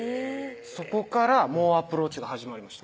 そこから猛アプローチが始まりました